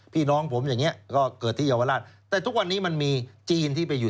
พี่น้องผมอย่างเงี้ยก็เกิดที่เยาวราชแต่ทุกวันนี้มันมีจีนที่ไปอยู่